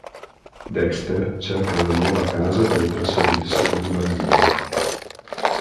Dexter cerca una nuova casa dove trasferirsi con i bambini.